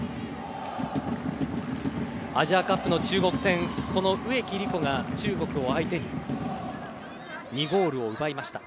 アジアカップの中国戦植木理子が中国を相手に２ゴールを奪いました。